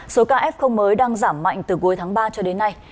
số ca f mới đang giảm mạnh từ cuối tháng ba cho đến nay